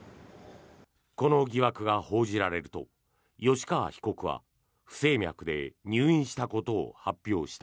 この疑惑が報じられると吉川被告は不整脈で入院したことを発表した。